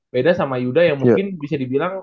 beda sama yuda yang mungkin bisa dibilang